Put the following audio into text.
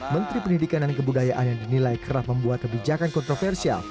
menteri pendidikan dan kebudayaan yang dinilai kerap membuat kebijakan kontroversial